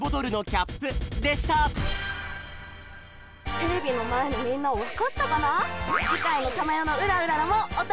テレビのまえのみんなわかったかな？